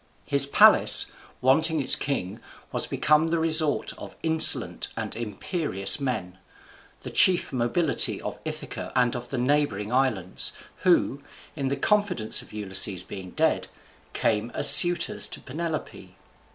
His palace, wanting its king, was become the resort of insolent and imperious men, the chief nobility of Ithaca and of the neighboring isles, who, in the confidence of Ulysses being dead, came as suitors to Penelope.